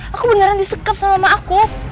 aku beneran disekap sama aku